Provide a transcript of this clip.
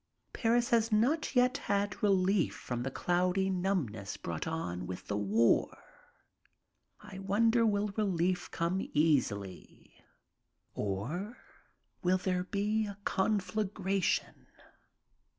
Paris has not yet had relief from the cloddy numbness brought on with the war. I wonder will relief come easily or will there be a conflagration.